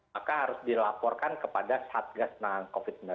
maka harus dilaporkan kepada satgas covid sembilan belas